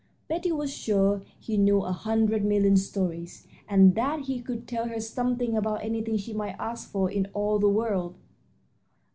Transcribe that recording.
Betty was sure he knew a hundred million stories, and that he could tell her something about anything she might ask for in all the world.